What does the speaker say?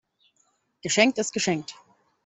Geschenkt ist geschenkt.